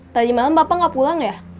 tadi malem bapak gak pulang ya